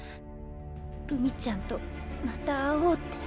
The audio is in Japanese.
るみちゃんとまた会おうって！